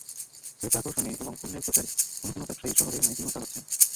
ক্রেতা আকর্ষণে এবং পণ্যের প্রচারে কোনো কোনো ব্যবসায়ী শহরে মাইকিংও চালাচ্ছেন।